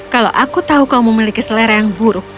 kalau aku tahu kau memiliki selera yang buruk